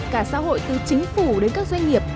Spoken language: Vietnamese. cả xã hội từ chính phủ đến các doanh nghiệp